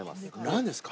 何ですか？